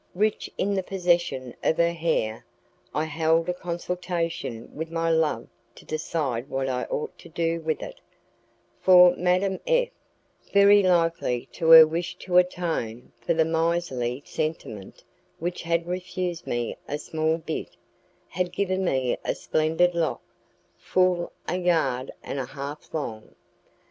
Rich in the possession of her hair, I held a consultation with my love to decide what I ought to do with it, for Madame F , very likely in her wish to atone for the miserly sentiment which had refused me a small bit, had given me a splendid lock, full a yard and a half long.